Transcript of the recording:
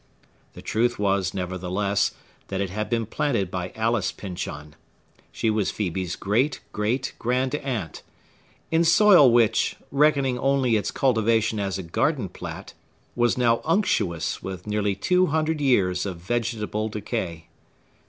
The truth was, nevertheless, that it had been planted by Alice Pyncheon,—she was Phœbe's great great grand aunt,—in soil which, reckoning only its cultivation as a garden plat, was now unctuous with nearly two hundred years of vegetable decay.